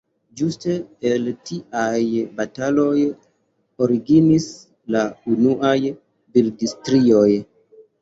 Ĝuste el tiaj bataloj originis la unuaj bildstrioj.